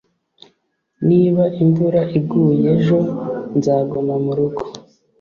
Niba imvura iguye ejo, nzaguma murugo.